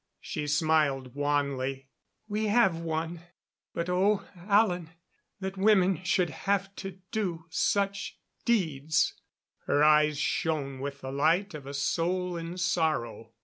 She smiled wanly. "We have won. But, oh, Alan, that women should have to do such deeds!" Her eyes shone with the light of a soul in sorrow.